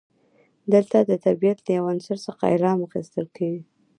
دلته د طبیعت له یو عنصر څخه الهام اخیستل کیږي.